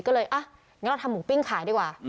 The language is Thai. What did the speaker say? ก็เลยอ่ะงั้นเราทำหมูปิ้งขายดีกว่า